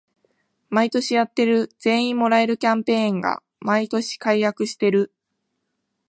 毎年やってる全員もらえるキャンペーンが毎年改悪してる